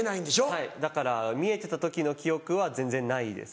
はいだから見えてた時の記憶は全然ないです。